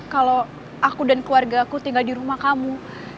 kalau aku dan keluarga aku tinggal di rumah kamu